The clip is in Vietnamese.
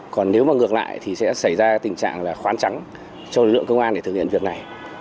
còn nếu mà ngược lại thì sẽ xảy ra tình trạng là khoán trắng cho lực lượng công an để thực hiện việc này